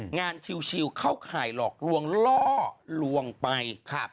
งานชิลเข้าข่ายหลอกล่อร่วงไป